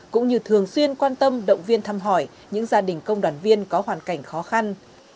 cũng như thường xuyên quan tâm động viên thăm hỏi những gia đình công đoàn viên có hoàn cảnh khó khăn